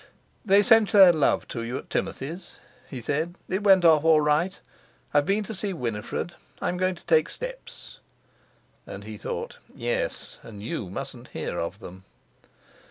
"They sent their love to you at Timothy's," he said. "It went off all right. I've been to see Winifred. I'm going to take steps." And he thought: "Yes, and you mustn't hear of them."